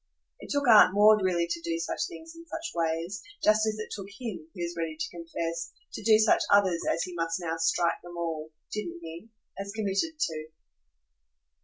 It took Aunt Maud really to do such things in such ways; just as it took him, he was ready to confess, to do such others as he must now strike them all didn't he? as committed to.